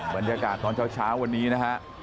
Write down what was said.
บรรยากาศตอนเช้าวันนี้นะฮะ